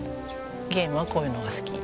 ゲームはこういうのが好き。